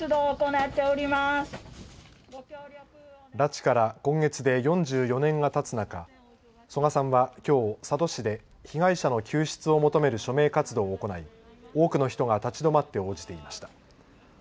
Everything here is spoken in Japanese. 拉致から今月で４４年がたつ中曽我さんは、きょう佐渡市で被害者の救出を求める署名活動を行い多くの人が立ちどまって応じていました。